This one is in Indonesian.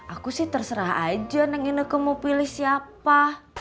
aku sih terserah aja neng inek ke mau pilih siapa